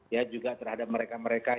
ya juga terhadap mereka mereka